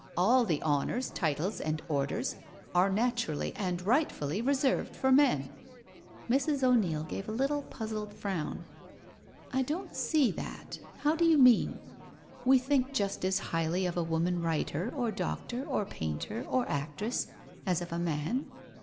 All the honours, titles, and orders are naturally and rightly reserved for men." Mrs. O'Neil gave a little puzzled frown. " I don't see that— how do you mean? We think just as highly of a woman writer or doctor or painter oc actress, as of a man."